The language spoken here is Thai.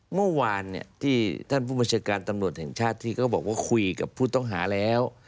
เมื่อวานที่ท่านผู้บัญชาการตำรวจแห่งชาติที่เขาบอกว่าคุยกับผู้ต้องหาแล้ว